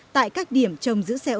tại các điểm trồng giữ xe